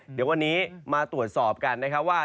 เดี๋ยววันนี้มาตรวจสอบกันนะครับว่า